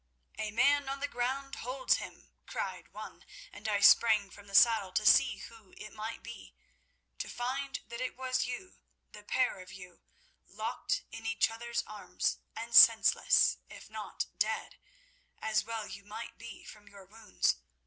"'A man on the ground holds him!' cried one, and I sprang from the saddle to see who it might be, to find that it was you, the pair of you, locked in each other's arms and senseless, if not dead, as well you might be from your wounds.